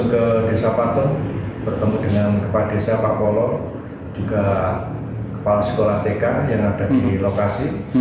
ke desa patung bertemu dengan kepala desa pak polo juga kepala sekolah tk yang ada di lokasi